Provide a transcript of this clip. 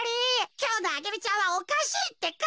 きょうのアゲルちゃんはおかしいってか。